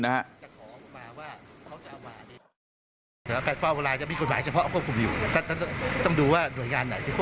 แสดงว่าคนที่ซื้อไฟพิดก็ถูกประสงค์